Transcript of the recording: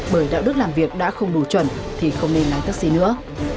bởi đạo đức làm việc đã không đủ chuẩn thì không nên lái taxi nữa